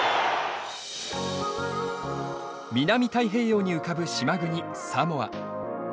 南太平洋に浮かぶ島国、サモア。